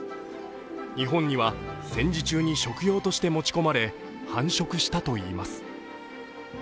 日本には戦時中に食用として持ち込まれ、繁殖したといいます。